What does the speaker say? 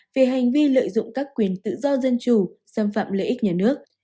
về hành vi lợi dụng các quyền tự do dân chủ xâm phạm lợi ích nhà nước